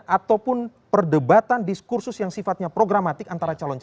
ataupun perdebatan diskursus yang sifatnya programatik antara calonnya